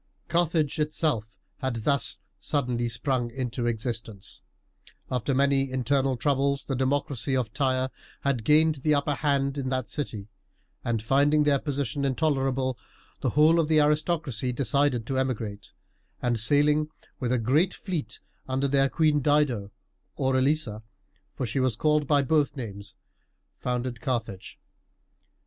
Carthage itself had thus suddenly sprung into existence. After many internal troubles the democracy of Tyre had gained the upper hand in that city; and finding their position intolerable, the whole of the aristocracy decided to emigrate, and, sailing with a great fleet under their queen Dido or Elisa for she was called by both names founded Carthage.